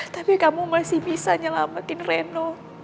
tapi kamu masih bisa nyelamatin reno